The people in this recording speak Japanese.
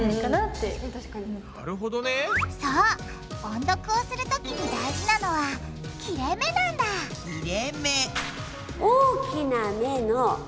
音読をするときに大事なのは「切れめ」なんだ切れめ。